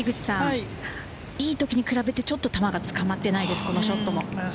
いいときに比べてちょっと球が捕まっていないです、このショットも。